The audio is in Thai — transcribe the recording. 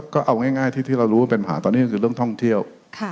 ก็เอาง่ายที่เรารู้ว่าเป็นปัญหาตอนนี้ก็คือเรื่องท่องเที่ยว